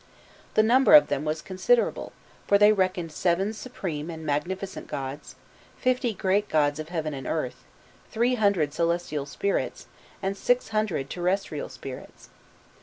The number of them was considerable, for they reckoned seven supreme and magnificent gods, fifty great gods of heaven and earth, three hundred celestial spirits, and six hundred terrestrial spirits.